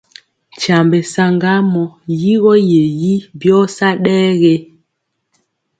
Nkyambe saŋgamɔ! Yigɔ ye yi byɔ sa ɗɛ ge?